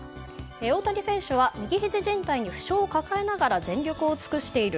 大谷選手は右ひじじん帯に負傷を抱えながら全力を尽くしている。